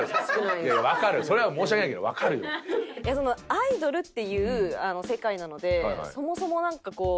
アイドルっていう世界なのでそもそもなんかこう。